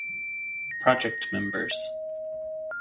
Project members.